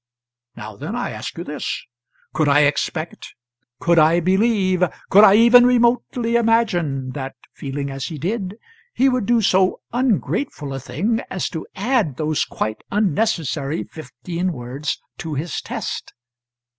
Now, then, I ask you this; could I expect could I believe could I even remotely imagine that, feeling as he did, he would do so ungrateful a thing as to add those quite unnecessary fifteen words to his test?